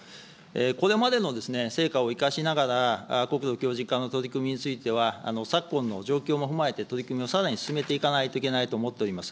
これまでの成果を生かしながら、国土強じん化の取り組みについては、昨今の状況も踏まえて取り組みをさらに進めていかないといけないと思っております。